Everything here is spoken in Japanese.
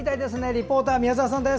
リポーターは宮澤さんです。